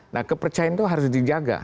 nah kepercayaan itu harus dijaga